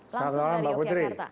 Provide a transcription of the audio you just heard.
selamat malam mbak putri